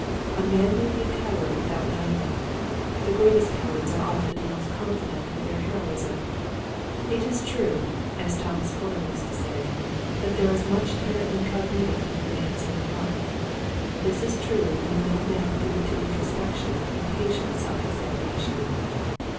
A man may be a coward without knowing it. The greatest cowards are often the most confident of their heroism. It is true, as Thomas Fuller used to say, that there is much terra incognita in a man's own heart. This is true even of men given to introspection and patient self examination.